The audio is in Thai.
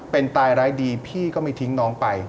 เป็นตายร้ายดีพี่ก็ไม่ทิ้งน้องไป